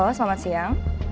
halo selamat siang